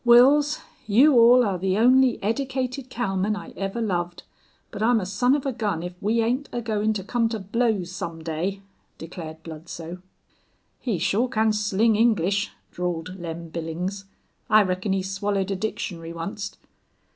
"Wils, you all air the only eddicated cowman I ever loved, but I'm a son of a gun if we ain't agoin' to come to blows some day," declared Bludsoe. "He shore can sling English," drawled Lem Billings. "I reckon he swallowed a dictionary onct."